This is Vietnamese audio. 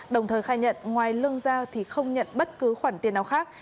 đồng thời khai nhận ngoài lương ra thì không nhận bất cứ khoản tiền nào khác